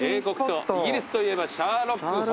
イギリスといえばシャーロック・ホームズ。